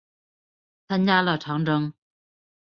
参加了长征。